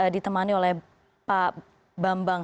ditemani oleh pak bambang